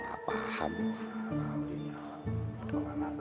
loh gak paham dia nyala